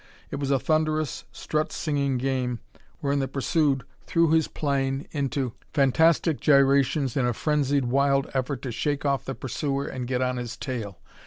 It was a thunderous, strut singing game wherein the pursued threw his plane into fantastic gyrations in a frenzied, wild effort to shake off the pursuer and get on his tail.